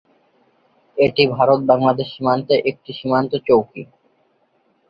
এটি ভারত-বাংলাদেশ সীমান্তে একটি সীমান্ত চৌকি।